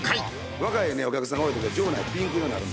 若いお客さんが多い時は場内ピンク色になるんです。